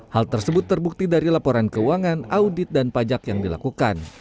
hal tersebut terbukti dari laporan keuangan audit dan pajak yang dilakukan